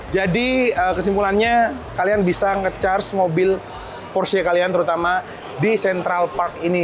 jadi kesimpulannya kalian bisa nge charge mobil porsche kalian terutama di central park ini